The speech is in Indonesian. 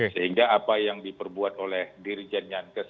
sehingga apa yang diperbuat oleh dirjen yankes